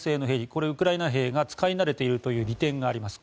これはウクライナ兵が使い慣れているという利点があります。